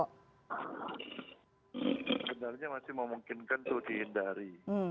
tidaknya masih memungkinkan itu dihindari